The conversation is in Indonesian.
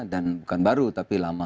dan bukan baru tapi lama